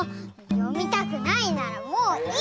読みたくないならもういいよ！